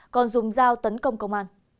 còn dùng dao tấn công công an